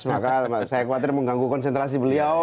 maka saya khawatir mengganggu konsentrasi beliau